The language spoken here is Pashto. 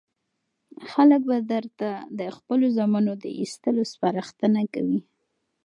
خلک به درته د خپلو زامنو د ایستلو سپارښتنه کوي.